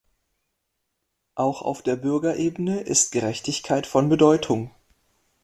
Auch auf der Bürgerebene ist Gerechtigkeit von Bedeutung.